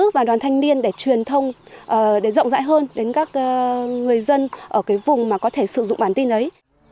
các đoàn thanh niên để truyền thông để rộng rãi hơn đến các người dân ở cái vùng mà có thể sử dụng bản tin ấy